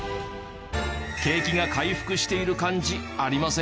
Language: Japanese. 景気が回復している感じありませんよね。